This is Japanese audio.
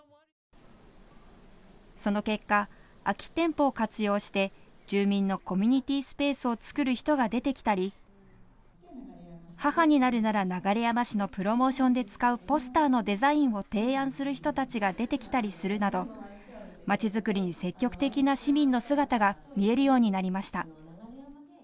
その結果、空き店舗を活用して住民のコミュニティースペースを作る人が出てきたり「母になるなら、流山市。」のプロモーションで使うポスターのデザインを提案する人たちが出てきたりするなど町作りに積極的な市民の姿が見えるようになりました。